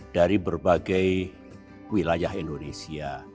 dari berbagai wilayah indonesia